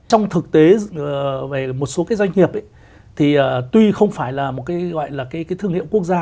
trong thực tế về một số cái doanh nghiệp thì tuy không phải là một cái gọi là cái thương hiệu quốc gia